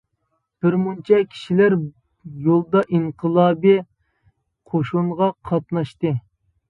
بىرمۇنچە كىشىلەر يولدا ئىنقىلابى قوشۇنغا قاتناشتى.